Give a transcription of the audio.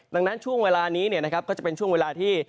ดังนั้นช่วงเวลานี้โดยจะคือเวลาที่